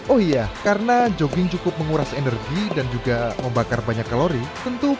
oh iya karena jogging cukup menguras energi dan juga membakar banyak kalori tentu perut ini juga bisa dihidupkan